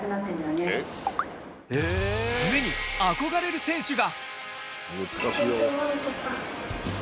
ゆえに憧れる選手が。